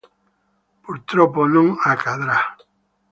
Purtroppo non accadrà.